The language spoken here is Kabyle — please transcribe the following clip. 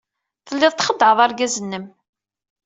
Telliḍ txeddɛeḍ argaz-nnem.